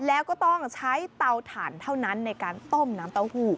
แล้วก็ต้องใช้เตาถ่านเท่านั้นในการต้มน้ำเต้าหู้